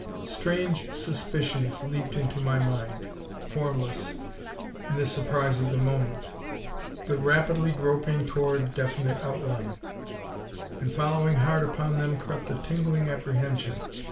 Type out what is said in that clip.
Strange suspicions leaped into my mind, formless in the surprise of the moment but rapidly groping toward definite outline; and following hard upon them crept a tingling apprehension.